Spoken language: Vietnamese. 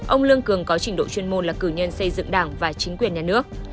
ông lương cường có trình độ chuyên môn là cử nhân xây dựng đảng và chính quyền nhà nước